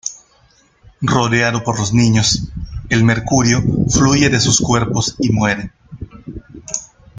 Rodeado por los niños, el mercurio fluye de sus cuerpos, y muere.